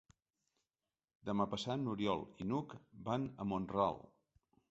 Demà passat n'Oriol i n'Hug van a Mont-ral.